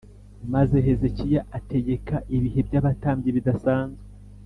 Maze Hezekiya ategeka ibihe by’ abatambyi bidasanzwe